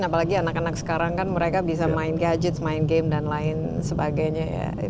apalagi anak anak sekarang kan mereka bisa main gadget main game dan lain sebagainya ya